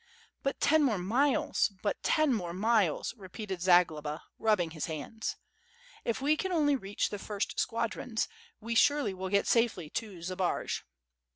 "But ten more miles, but ten more miles!" repeated Za globa rubbing his hands. "If we can only reach the first squadrons, we surely will get safely to Zbaraj."